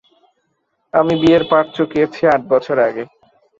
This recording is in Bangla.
আমি বিয়ের পাট চুকিয়েছি আট বছর আগে।